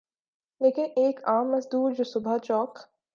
لیکن ایک عام مزدور جو صبح چوک